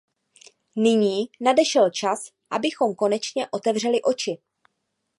Nyní nadešel čas, abychom konečně otevřeli oči.